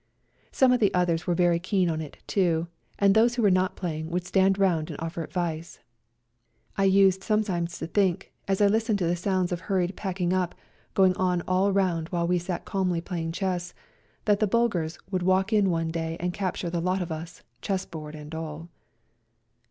Some of the others were very keen on it too, and those who were not playing would stand round and offer advice. I used sometimes 90 A COLD NIGHT RIDE to think, as I listened to the sounds of hurried packing up going on all round while we sat calmly playing chess, that the Bulgars would walk in one day and capture the lot of us, chessboard and all.